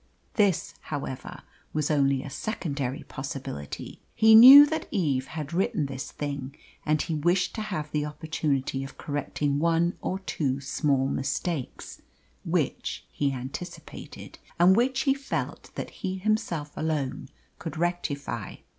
This, however, was only a secondary possibility. He knew that Eve had written this thing, and he wished to have the opportunity of correcting one or two small mistakes which he anticipated, and which he felt that he himself alone could rectify.